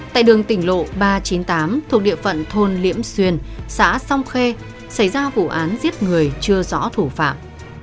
tại đường tỉnh lộ ba trăm chín mươi tám thuộc địa phận thôn liễm xuyên xã song khê xảy ra vụ án giết người chưa rõ thủ phạm